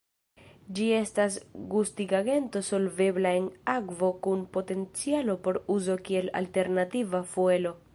Ĝi estas gustigagento solvebla en akvo kun potencialo por uzo kiel alternativa fuelo.